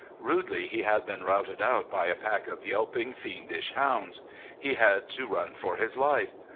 Rudely he had been routed out by a pack of yelping, fiendish hounds. He had to run for his life.